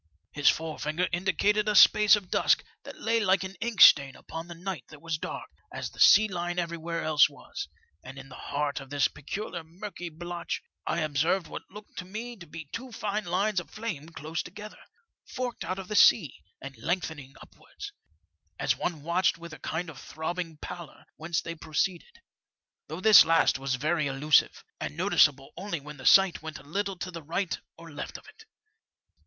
His forefinger indicated a space of dusk that la^y like an ink stain upon the night that was dark, as the sea line everywhere else was ; and in the heart of this peculiar murky blotch I observed what looked to me to be two fine lines of flame close together, forking out of the sea, and lengthening upwards, as one watched with a kind of throbbing pallor whence they proceeded, though this last was very elusive, and noticeable only when the sight went a little to the right or left of it.